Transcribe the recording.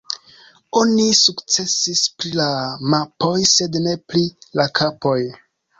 Oni sukcesis pri la mapoj sed ne pri la kapoj.